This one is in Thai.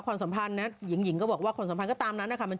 ความสัมพันธ์ยิงยิงก็บอกว่า